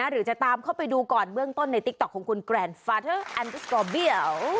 หรือจะตามเข้าไปดูก่อนเบื้องต้นในติ๊กต๊อกของคุณแกรนฟาเทอร์แอนติกอเบี้ยว